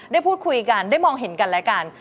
ได้พูดคุยกันได้มองเห็นกันและกัน